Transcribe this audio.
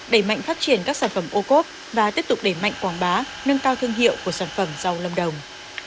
đẩy mạnh phát triển các sản phẩm ô cốp và tiếp tục đẩy mạnh quảng bá nâng cao thương hiệu của sản phẩm rau lâm đồng